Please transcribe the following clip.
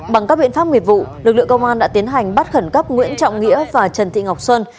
bằng các biện pháp nghiệp vụ lực lượng công an đã tiến hành bắt khẩn cấp nguyễn trọng nghĩa và trần thị ngọc xuân